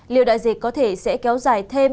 liệu đại dịch có thể sẽ kéo dài thêm